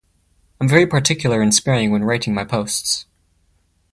I’m very particular and sparing when writing my posts.